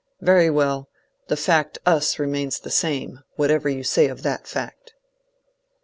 Very well — the fact * us ' remains the same, whatever you say of that fact.